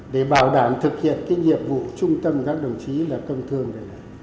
để bảo đảm thực hiện cái nhiệm vụ trung tâm các đồng chí là công thương này